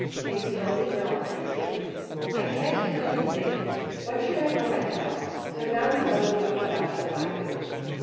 Can you tell me where I'll find him?" "I can't tell you thin. What should I know myself? So now you know as much about it as I do."